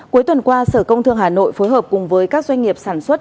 cuối tuần qua sở công thương hà nội phối hợp cùng với các doanh nghiệp sản xuất